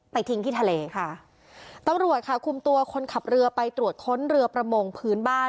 ทิ้งที่ทะเลค่ะตำรวจค่ะคุมตัวคนขับเรือไปตรวจค้นเรือประมงพื้นบ้าน